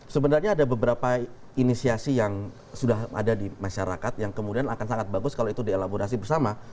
sebenarnya ada beberapa inisiasi yang sudah ada di masyarakat yang kemudian akan sangat bagus kalau itu dielaborasi bersama